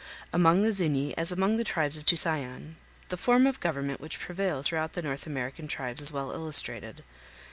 Among the Zuñi, as among the tribes of Tusayan, the form of government which prevails throughout the North American tribes is well illustrated.